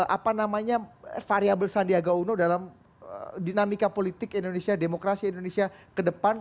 apa namanya variabel sandiaga uno dalam dinamika politik indonesia demokrasi indonesia ke depan